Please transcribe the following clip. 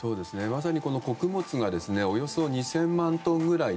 まさに穀物がおよそ２０００万トンくらい